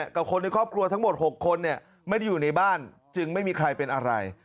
กับคนในครอบครัวทั้งหมด๖คนไม่ได้อยู่ในบ้านจึงไม่มีใครเป็นอะไร